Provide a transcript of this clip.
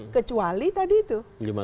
kecuali tadi itu